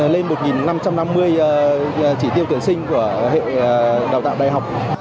lên một nghìn năm trăm năm mươi trí tiêu tuyển sinh của hệ đào tạo đại học